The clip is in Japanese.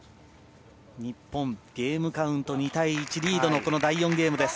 日本、ゲームカウント２対１リードのこの第４ゲームです。